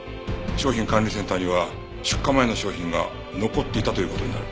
商品管理センターには出荷前の商品が残っていたという事になる。